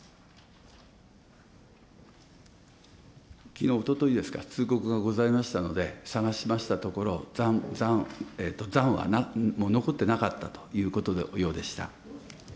きのう、おとといですか、通告がございましたので、探しましたところ、残は残ってなかったということのようでした。